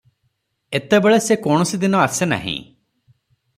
ଏତେବେଳେ ସେ କୌଣସି ଦିନ ଆସେ ନାହିଁ ।